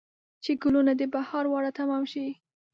چې ګلونه د بهار واړه تمام شي